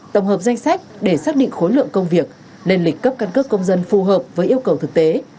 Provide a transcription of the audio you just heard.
tổng hợp danh sách để xác định khối lượng công việc lên lịch cấp căn cước công dân phù hợp với yêu cầu thực tế